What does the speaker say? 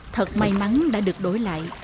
thật may mắn đã được đổi lại